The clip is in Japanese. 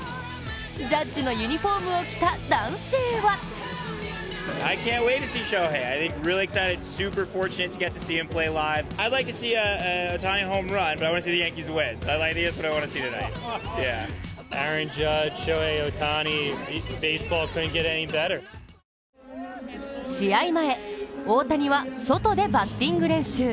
ジャッジのユニフォームを着た男性は試合前、大谷は外でバッティング練習。